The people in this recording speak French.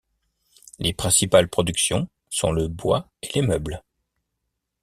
Les principales productions sont le bois et les meubles.